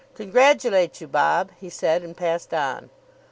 "Congratulate you, Bob," he said; and passed on.